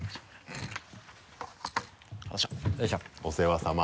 お世話さま。